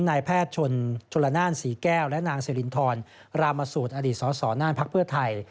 นายแพทย์ชนละนานศรีแก้วและนางสิรินทรรามสูตรอดีตสสน่านพักเพื่อไทย